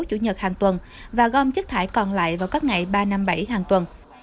chủ nhật hàng tuần và gom chất thải còn lại vào các ngày ba năm bảy hàng tuần